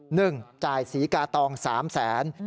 หนึ่งจ่ายศรีกาตองสามแสน